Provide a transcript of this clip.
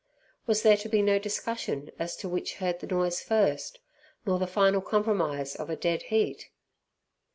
Was there to be no discussion as to which heard the noise first, nor the final compromise of a dead heat?